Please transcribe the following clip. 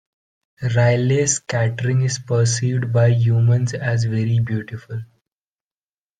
Raleigh scattering is perceived by humans as very beautiful.